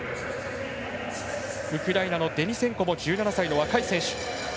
ウクライナのデニセンコも１７歳の若い選手。